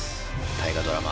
大河ドラマ